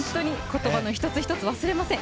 言葉の一つ一つ忘れません。